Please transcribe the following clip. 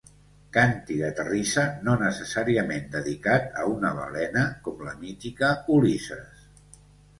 Càntir de terrissa no necessàriament dedicat a una balena com la mítica Ulisses.